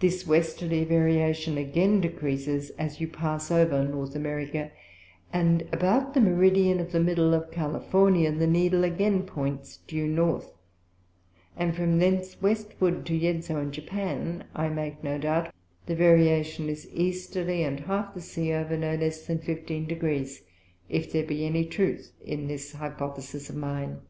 This Westerly Variation again decreases, as you pass over the North America; and about the Meridian of the middle of California the Needle again points due North; and from thence Westward to Yedzo and Japan, I make no doubt but the Variation is Easterly, and half the Sea over no less than fifteen Degrees, if there be any truth in this Hypothesis of mine.